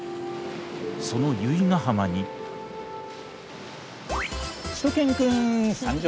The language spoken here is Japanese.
その由比ヶ浜にしゅと犬くん参上！